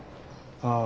ああ。